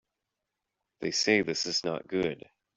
They say this is not good.